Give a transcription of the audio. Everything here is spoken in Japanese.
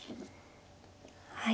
はい。